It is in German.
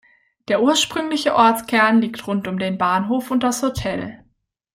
Der ursprüngliche Ortskern liegt rund um den Bahnhof und das Hotel.